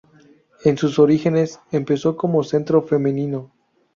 En sus orígenes empezó como centro femenino.